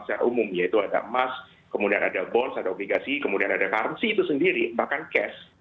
secara umum yaitu ada emas kemudian ada bons ada obligasi kemudian ada currency itu sendiri bahkan cash